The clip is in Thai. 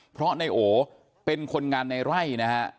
เพราะนายโอเป็นคนงานในไร่นะฮะ